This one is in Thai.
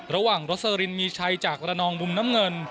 ระหว่างรสลินมิชัยจากระนองมุมน้ำเงิน